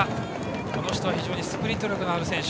この人は非常にスプリント力のある選手。